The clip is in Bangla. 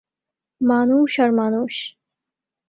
মানুষ আর মানুষ।